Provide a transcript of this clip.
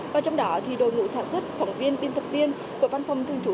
và trong đó thì đội ngũ sản xuất phóng viên biên tập viên của văn phòng thường chủ